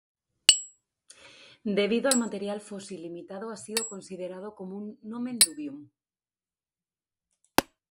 Debido al material fósil limitado, ha sido considerado como un "nomen dubium".